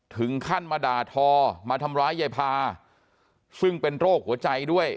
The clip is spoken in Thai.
ถึงขั้นมาด่าทอมาทำร้ายยายพาซึ่งเป็นโรคหัวใจด้วย